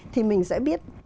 thì mình sẽ biết